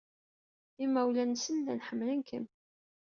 Imawlan-nsen llan ḥemmlen-kem.